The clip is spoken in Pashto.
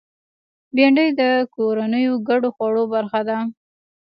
بېنډۍ د کورنیو ګډو خوړو برخه ده